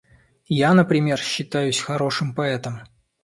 Я, например, считаюсь хорошим поэтом.